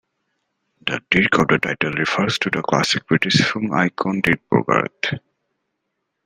The "Dirk" of the title refers to classic British film icon Dirk Bogarde.